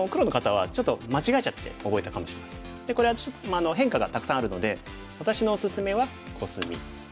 これは変化がたくさんあるので私のおすすめはコスミ。